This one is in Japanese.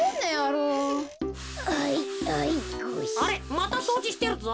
またそうじしてるぞ。